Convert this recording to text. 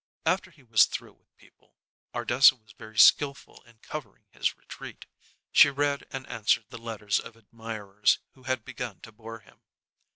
After he was through with people, Ardessa was very skilful in covering his retreat. She read and answered the letters of admirers who had begun to bore him.